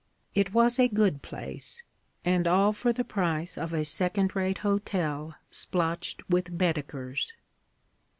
It was a good place and all for the price of a second rate hotel splotched with Baedekers.